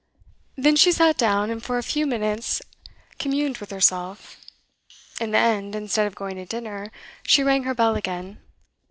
Then she sat down, and for a few minutes communed with herself. In the end, instead of going to dinner, she rang her bell again.